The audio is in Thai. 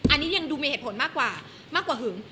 อันนี้ยังดูมีเหตุผลมากกว่ามากกว่าหึง